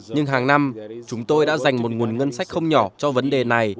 nhưng hàng năm chúng tôi đã dành một nguồn ngân sách không nhỏ cho vấn đề này